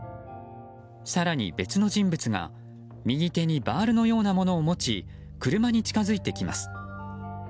更に別の人物が右手にバールのようなものを持ち車に近づいてきます。